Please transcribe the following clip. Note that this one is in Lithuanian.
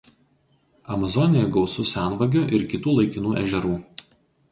Amazonijoje gausu senvagių ir kitų laikinų ežerų.